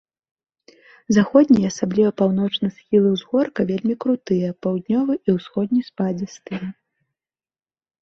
Заходні і асабліва паўночны схілы ўзгорка вельмі крутыя, паўднёвы і ўсходні спадзістыя.